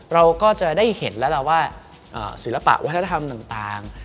เราก็จะได้เห็นแล้วล่ะว่าศิลปะวัฒนธรรมต่าง